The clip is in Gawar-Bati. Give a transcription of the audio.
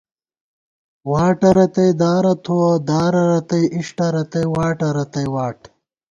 واٹہ رتئ دارہ تھووَہ ، دارہ رتئ اِݭٹہ، رتئ واٹہ رتئ واٹ